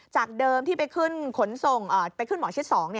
จากเดิมที่ไปขึ้นขนส่งไปขึ้นหมอชิด๒